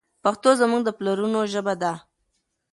پښتو زموږ د پلرونو ژبه ده.